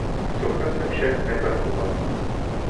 Socha se však nezachovala.